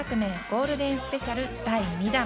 ゴールデンスペシャル第２弾。